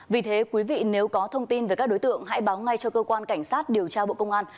vì thế quý vị nếu có thông tin về các đối tượng hãy báo ngay cho cơ quan cảnh sát điều tra bộ công an